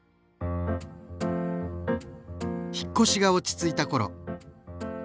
引っ越しが落ち着いた頃。